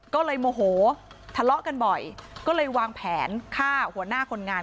ก็เลยโมโหทะเลาะกันบ่อยก็เลยวางแผนฆ่าหัวหน้าคนงาน